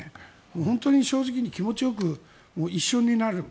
本当に正直に気持ちよく一緒になる。